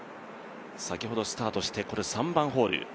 先ほどスタートして３番ホール。